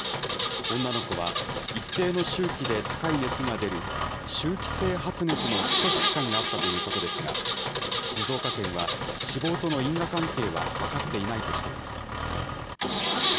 女の子は、一定の周期で高い熱が出る、周期性発熱の基礎疾患があったということですが、静岡県は死亡との因果関係は分かっていないとしています。